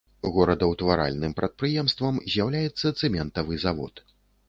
Горадаўтваральным прадпрыемствам з'яўляецца цэментавы завод.